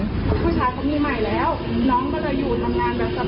ผู้ชายมีหนี้ใหม่แล้วน้องก็จะอยู่ตามงานสบายศัลย์